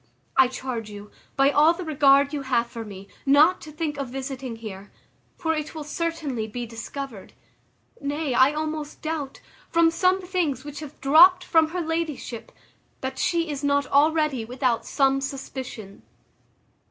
I charge you, by all the regard you have for me, not to think of visiting here; for it will certainly be discovered; nay, I almost doubt, from some things which have dropt from her ladyship, that she is not already without some suspicion.